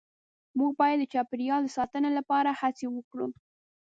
مونږ باید د چاپیریال د ساتنې لپاره هڅې وکړو